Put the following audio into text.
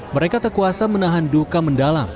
mereka terkuasa menahan duka mendalam